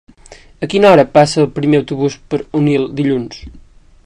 A quina hora passa el primer autobús per Onil dilluns?